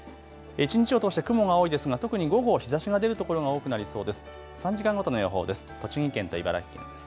一日を通して雲が多いですが特に午後、日ざしの出る所も多くなりそうです。